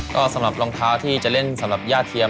ก็สำหรับรองเท้าที่จะเล่นสำหรับญาติเทียม